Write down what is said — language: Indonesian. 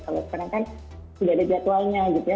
kalau sekarang kan sudah ada jadwalnya gitu ya